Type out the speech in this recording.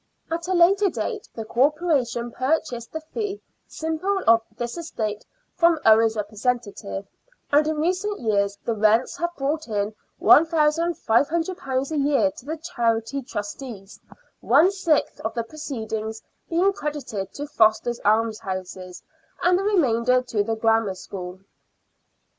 At a later date the Corporation purchased the fee simple of this estate from Owen's representative, and in recent years the rents have brought in £1,500 a year to the Charity Trustees, one sixth of the proceeds being credited to Foster's Almshouses and the remainder to the Grammar School.